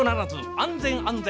安全安全。